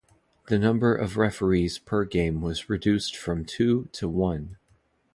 The number of referees per game was reduced from two to one.